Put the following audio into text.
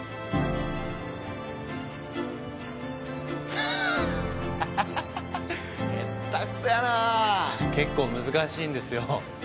ハーッハハハハッへったくそやなぁ結構難しいんですよ